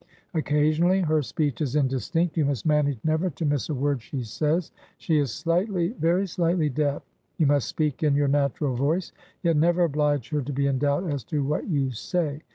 Occasionally her speech is indistinct; you must manage never to miss a word she says. She is slightlyvery slightlydeaf; you must speak in your natural voice, yet never oblige her to be in doubt as to what you say.